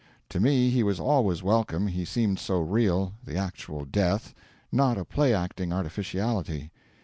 To me he was always welcome, he seemed so real the actual Death, not a play acting artificiality.